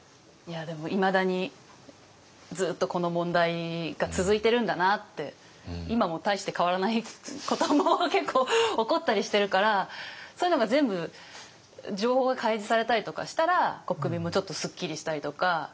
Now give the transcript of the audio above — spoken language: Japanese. でもいまだにずっとこの問題が続いてるんだなって今も大して変わらないことも結構起こったりしてるからそういうのが全部情報が開示されたりとかしたら国民もちょっとすっきりしたりとか。